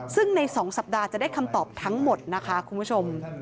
ซึ่งใน๒สัปดาห์จะได้คำตอบทั้งหมดนะคะคุณผู้ชม